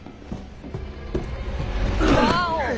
ワーオ！